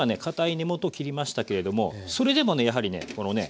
かたい根元を切りましたけれどもそれでもねやはりね